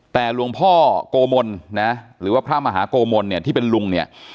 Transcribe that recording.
แต่หลวงพ่อโกมลนะหรือว่าพระมหาโกมลเนี่ยที่เป็นลุงเนี่ย